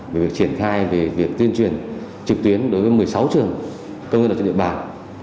về việc triển khai về việc tuyên truyền trực tuyến đối với một mươi sáu trường công nghiệp đặc trị địa bàn